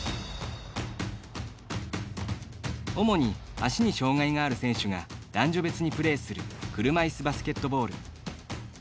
主に足に障がいがある選手が男女別にプレーする車いすバスケットボール。